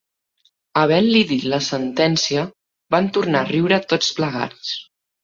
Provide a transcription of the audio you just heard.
Havent-li dit la sentencia, van tornar a riure tots plegats